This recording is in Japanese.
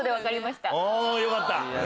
およかった。